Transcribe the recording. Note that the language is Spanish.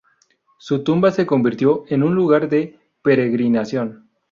Su tumba se convirtió en un lugar de peregrinación.